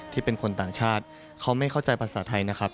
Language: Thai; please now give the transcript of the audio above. เป็นคนต่างชาติเขาไม่เข้าใจภาษาไทยนะครับ